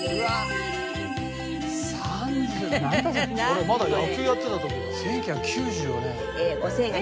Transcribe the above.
「俺まだ野球やってた時だ」